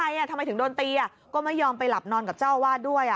เพราะอะไรอ่ะทำไมถึงโดนตีอ่ะก็ไม่ยอมไปหลับนอนกับเจ้าอ้าวาดด้วยอ่ะ